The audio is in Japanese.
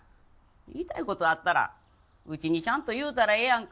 言いたい事あったらうちにちゃんと言うたらええやんか。